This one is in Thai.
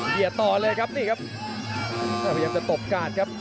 ต่อเลยครับนี่ครับพยายามจะตบการครับ